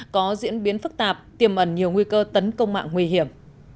có diễn biến phức tạp tiềm ẩn nhiều nguy cơ tấn công mạng nguy hiểm